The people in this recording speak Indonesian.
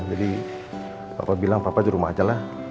jadi papa bilang papa di rumah aja lah